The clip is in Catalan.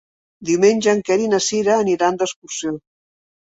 Diumenge en Quer i na Cira aniran d'excursió.